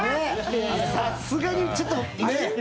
さすがにちょっと、ね？